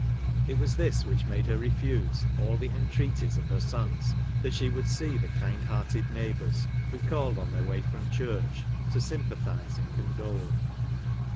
It was this which made her refuse all the entreaties of her sons, that she would see the kind hearted neighbours, who called on their way from church, to sym pathise and condole.